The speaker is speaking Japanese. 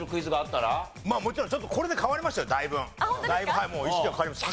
はいもう意識は変わりました。